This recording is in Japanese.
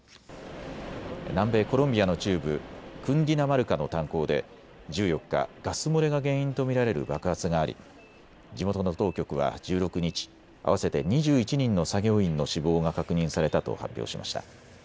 南米・コロンビアの中部、クンディナマルカの炭鉱で１４日、ガス漏れが原因と見られる爆発があり、地元の当局は１６日、合わせて２１人の作業員の死亡が確認されたと発表しました。